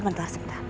kita harus buat pagi